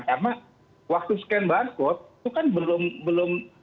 karena waktu scan barcode itu kan belum terlihat